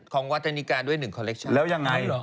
ของวาตานิกาด้วยหนึ่งคอลเลคชั่น